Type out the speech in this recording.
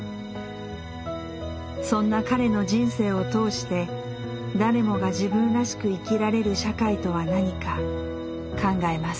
そんな彼の人生を通して誰もが自分らしく生きられる社会とは何か考えます。